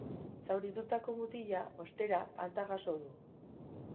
Zauritutako mutila, ostera, alta jaso du.